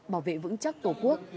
bảo vệ vững chắc tổ quốc